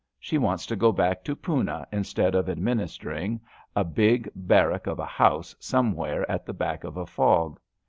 She wants to go back to Poena instead of administering a big bar rack of a house somewhere at the back of a fog.